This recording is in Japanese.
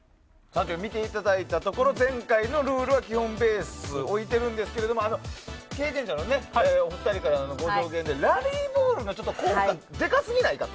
見ていただいたところ前回のルールは基本ベースに置いてるんですけど経験者のお二人からのご意見でラリーボールが効果デカすぎないかと。